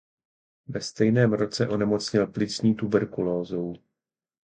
Ve stejném roce onemocněl plicní tuberkulózou.